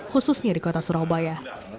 khususnya di kota surabaya